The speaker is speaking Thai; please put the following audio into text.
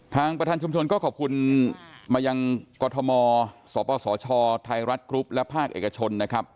ประธานชุมชนก็ขอบคุณมายังกรทมสปสชไทยรัฐกรุ๊ปและภาคเอกชนนะครับ